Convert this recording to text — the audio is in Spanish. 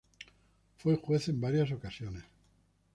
Fue juez en varias ocasiones.